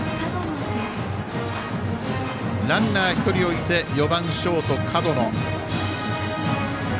ランナー、１人置いて４番、ショート、門野。